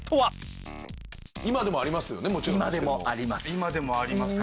今でもあります。